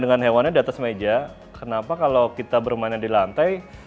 dengan hewannya di atas meja kenapa kalau kita bermainnya di lantai